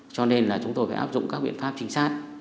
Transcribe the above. cho nên là chúng tôi phải áp dụng các biện pháp trinh sát